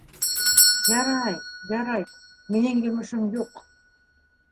- Ярай, ярай, минең йомошом юҡ.